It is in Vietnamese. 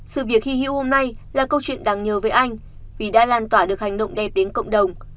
sự việc hy hữu hôm nay là câu chuyện đáng nhớ với anh vì đã lan tỏa được hành động đẹp đến cộng đồng